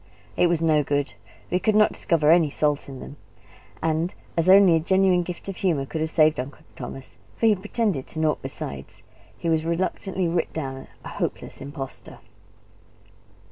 It was no good; we could not discover any salt in them. And as only a genuine gift of humour could have saved Uncle Thomas, for he pretended to naught besides, he was reluctantly writ down a hopeless impostor.